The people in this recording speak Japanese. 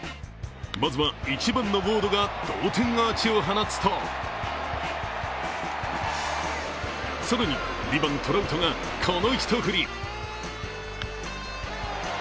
まずは１番のウォードが同点アーチを放つと更に、２番・トラウトがこの一振り。